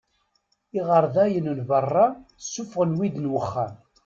Iɣerdayen n berra ssuffɣen wid n uxxam.